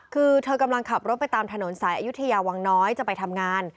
คือเธอกำลังขับรถไปตามถนนสายอายุทยาวังน้อยจะไปทำงาน